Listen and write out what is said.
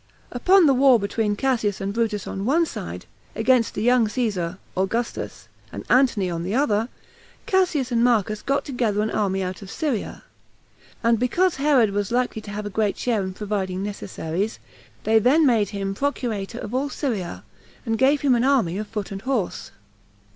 Upon the war between Cassius and Brutus on one side, against the younger Caesar [Augustus] and Antony on the other, Cassius and Marcus got together an army out of Syria; and because Herod was likely to have a great share in providing necessaries, they then made him procurator of all Syria, and gave him an army of foot and horse.